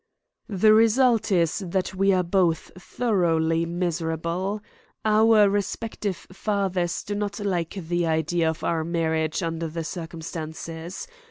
"The result is that we are both thoroughly miserable. Our respective fathers do not like the idea of our marriage under the circumstances.